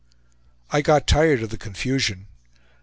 I got tired of the confusion.